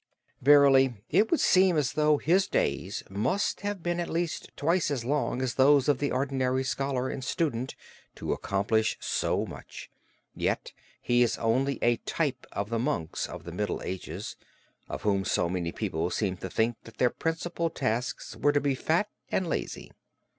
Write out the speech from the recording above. Verily it would seem as though his days must have been at least twice as long as those of the ordinary scholar and student to accomplish so much; yet he is only a type of the monks of the Middle Ages, of whom so many people seem to think that their principal traits were to be fat and lazy.